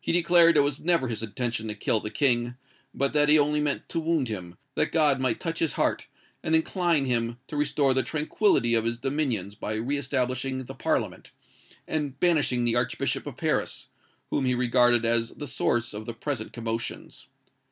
He declared it was never his intention to kill the King: but that he only meant to wound him, that God might touch his heart, and incline him to restore the tranquillity of his dominions by re establishing the Parliament, and banishing the Archbishop of Paris, whom he regarded as the source of the present commotions.